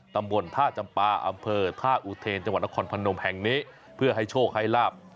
ตำบลท่าจำปาอำเภอท่าอุเทนจังหวัดนครพนมแห่งนี้เพื่อให้โชคให้ลาบ